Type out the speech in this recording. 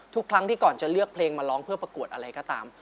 ทุกครั้งที่ก่อนจะเลือกเพลงมาร้องเพื่อประกวดอะไรก็ตาม